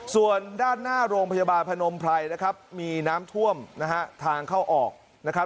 ส่วนด้านหน้าโรงพยาบาลพนมไพรนะครับมีน้ำท่วมนะฮะทางเข้าออกนะครับ